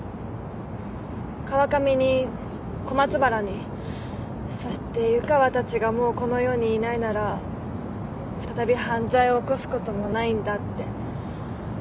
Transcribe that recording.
川上に小松原にそして湯川たちがもうこの世にいないなら再び犯罪を起こすこともないんだって。